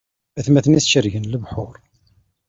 Atmaten-is cergen lebḥuṛ.